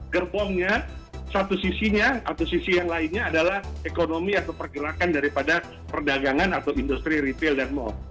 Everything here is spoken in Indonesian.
gerbongnya satu sisinya atau sisi yang lainnya adalah ekonomi atau pergerakan daripada perdagangan atau industri retail dan mall